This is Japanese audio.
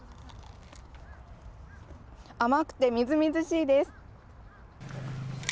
甘くてみずみずしいです。